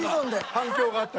反響があった。